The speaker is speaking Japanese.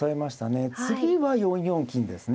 次は４四金ですね。